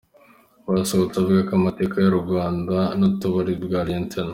Basabose avuga ko amateka y’u Rwanda n’ubutwari bwa Lt.